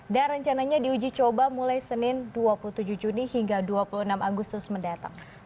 dan rencananya diuji coba mulai senin dua puluh tujuh juni hingga dua puluh enam agustus mendatang